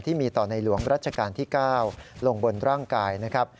ที่มีต่อในหลวงรัชกาลที่๙ลงบนร่างกายนะครับ